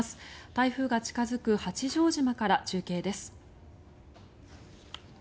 台風が近付く八丈島から中継です。